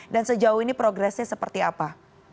dan sejauh ini progresnya seperti apa